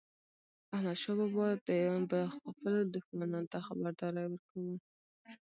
احمدشاه بابا به خپلو دښمنانو ته خبرداری ورکاوه.